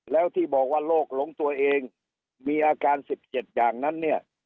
แล้วที่บอกว่าโรคหลงตัวเองมีอาการ๑๗อย่างนั้นเนี่ย